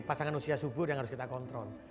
pasangan usia subur yang harus kita kontrol